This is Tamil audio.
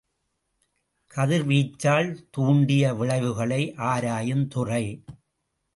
கதிர்வீச்சால் தூண்டிய விளைவுகளை ஆராயுந்துறை.